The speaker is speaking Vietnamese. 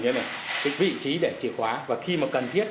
như thế này cái vị trí để chìa khóa và khi mà cần thiết